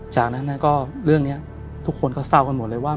จากนั้นก็เรื่องนี้ทุกคนก็เศร้ากันหมดเลยว่า